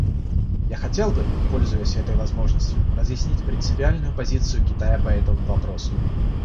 Я хотел бы, пользуясь этой возможностью, разъяснить принципиальную позицию Китая по этому вопросу.